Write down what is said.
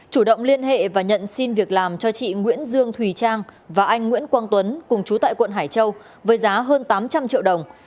chủ động liên hệ và nhận xin việc làm cho chị nguyễn dương thùy trang và anh nguyễn quang tuấn cùng chú tại quận hải châu với giá hơn tám trăm linh triệu đồng